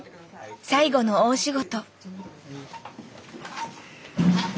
最後の大仕事。